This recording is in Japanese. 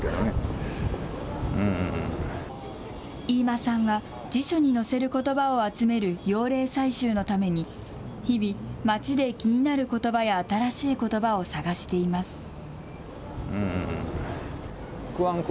飯間さんは辞書に載せることばを集める用例採集のために日々、街で気になることばや新しいことばを探しています。